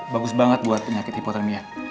bagus banget buat penyakit hipotermia